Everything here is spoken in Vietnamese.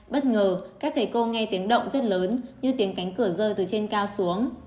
bất ngờ các thầy cô nghe tiếng động rất lớn như tiếng cánh cửa rơi từ trên cao xuống